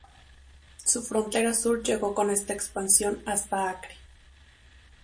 Su frontera sur llegó con esta expansión hasta Acre.